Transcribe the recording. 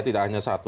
tidak hanya satu